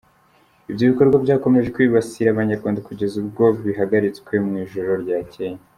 Ibyo bikorwa byakomeje kwibasira Abanyarwanda kugeza ubwo bihagaritswe mu ijoro ryacyeye.